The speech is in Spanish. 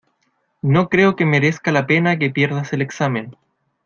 no creo que merezca la pena que pierdas el examen.